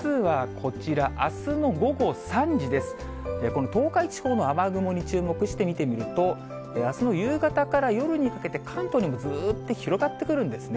この東海地方の雨雲に注目して見てみると、あすの夕方から夜にかけて、関東にもずーっと広がってくるんですね。